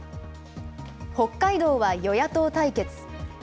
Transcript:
北海道は与野党対決。